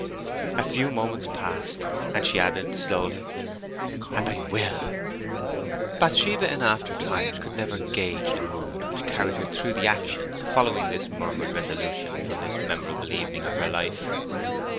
A few moments passed, and she added, slowly, "And I will." Bathsheba in after times could never gauge the mood which carried her through the actions following this murmured resolution on this memorable evening of her life.